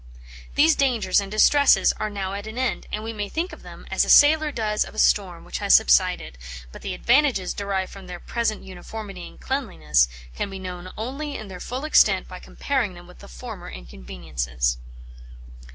These dangers and distresses are now at an end; and we may think of them as a sailor does of a storm, which has subsided, but the advantages derived from the present uniformity and cleanliness can be known only in their full extent by comparing them with the former inconveniences."